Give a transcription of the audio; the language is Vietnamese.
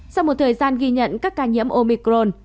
sau một thời gian ghi nhận các ca nhiễm omicron